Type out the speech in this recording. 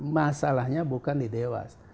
masalahnya bukan di dewas